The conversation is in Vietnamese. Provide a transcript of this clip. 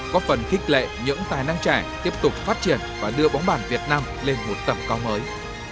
có phần khích lệ những tài năng trẻ tiếp tục phát triển và đưa bóng bàn việt nam lên một tầm cao mới